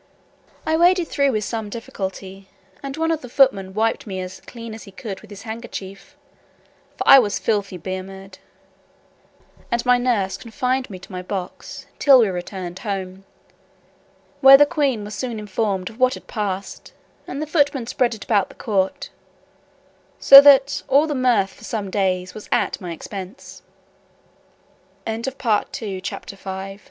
I waded through with some difficulty, and one of the footmen wiped me as clean as he could with his handkerchief, for I was filthily bemired; and my nurse confined me to my box, till we returned home; where the queen was soon informed of what had passed, and the footmen spread it about the court: so that all the mirth for some days was at my expen